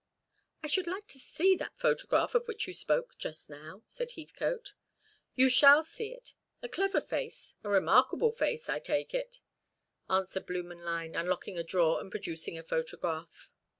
"I should like to see that photograph of which you spoke just now," said Heathcote. "You shall see it. A clever face, a remarkable face, I take it," answered Blümenlein, unlocking a drawer, and producing a photograph.